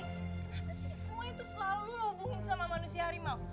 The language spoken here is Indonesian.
kenapa sih semua itu selalu lo hubungin sama manusia harimau